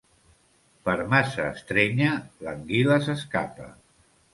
Per massa estrènyer l'anguila s'escapa.